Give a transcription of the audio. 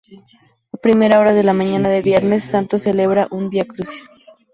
A primera hora de la mañana de Viernes Santo celebra un Vía Crucis.